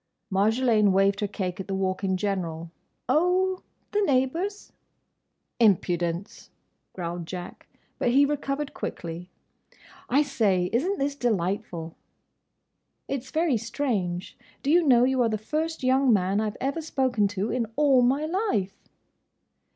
Marjolaine waved her cake at the Walk in general. "Oh—the neighbours." "Impudence!" growled Jack. But he recovered quickly. "I say! Isn't this delightful?" "It's very strange. Do you know, you are the first young man I 've ever spoken to, in all my life?"